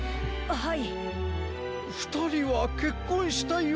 はい！